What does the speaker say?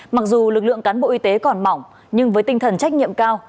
mặc dù lực lượng cán bộ y tế còn mỏng nhưng với tinh thần trách nhiệm cao